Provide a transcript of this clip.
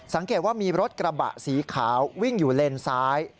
สังเกตว่ามีรถกระบะสีขาววิ่งอยู่เลนซ้าย